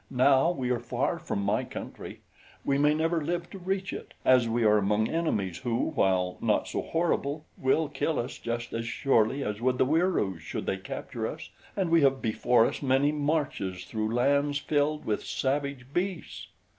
"Now we are far from my country. We may never live to reach it, as we are among enemies who, while not so horrible will kill us just as surely as would the Wieroos should they capture us, and we have before us many marches through lands filled with savage beasts."